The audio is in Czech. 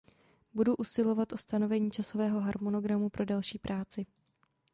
Budou usilovat o stanovení časového harmonogramu pro další práci.